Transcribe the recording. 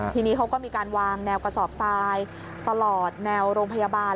ทีนี้เขาก็มีการวางแนวกระสอบทรายตลอดแนวโรงพยาบาล